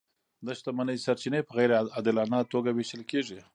د شتمنۍ سرچینې په غیر عادلانه توګه وېشل کیږي.